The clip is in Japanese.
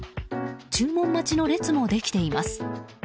注文待ちの列もできています。